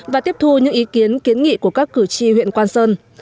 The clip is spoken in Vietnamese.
và tiếp thu những ý kiến kiến nghị của các cử tri huyện quang sơn